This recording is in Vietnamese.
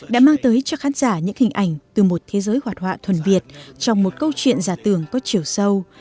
đã mang tới cho khán giả những hình ảnh từ một thế giới hoạt họa thuần việt trong một câu chuyện giả tưởng có chiều sâu